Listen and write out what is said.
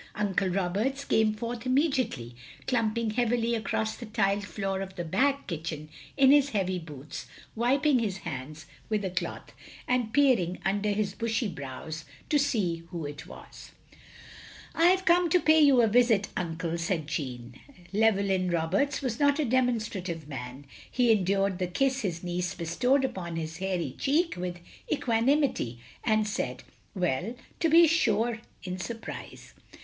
Uncle Roberts came forth inmiediately, clump ing heavily across the tiled floor of the back kitchen in his heavy boots, wiping his hands with a cloth — ^and peering under his bushy brows to see who it was. OP GROSVENOR SQUARE 139 "I've come to pay you a visit, Uncle," said Jeanne. Llewelljm Roberts was not a demonstrative man ; he endured the kiss his niece bestowed upon his hairy cheek with equanimity, and said, "Well, to be sure!" in surprise.